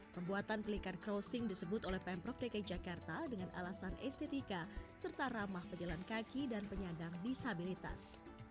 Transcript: pembuatan pelikan crossing disebut oleh pemprov dki jakarta dengan alasan estetika serta ramah pejalan kaki dan penyandang disabilitas